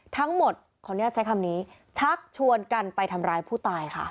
ทั้งหมดขออนุญาตใช้คำนี้ชักชวนกันไปทำร้ายผู้ตายค่ะ